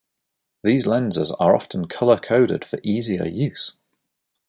These lenses are often color coded for easier use.